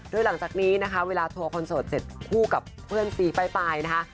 โดยหลังจากนี้นะคะเวลาทัวร์คนโสดเสร็จคู่กับเพื่อนฟรีป้ายนะคะ